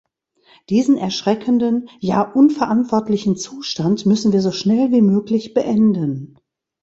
Diesen erschreckenden, ja unverantwortlichen Zustand müssen wir so schnell wie möglich beenden.